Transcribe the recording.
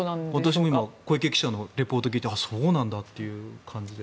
私も今小池記者のリポートを聞いてそうなんだという感じで。